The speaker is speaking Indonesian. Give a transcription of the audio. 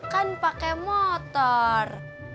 kan pakai motor